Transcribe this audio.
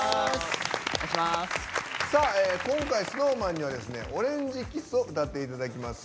今回、ＳｎｏｗＭａｎには「オレンジｋｉｓｓ」を歌っていただきます。